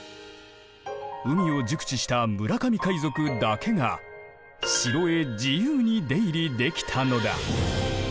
海を熟知した村上海賊だけが城へ自由に出入りできたのだ。